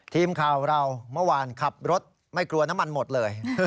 ทีมข่าวเราเมื่อวานขับรถไม่กลัวน้ำมันหมดเลย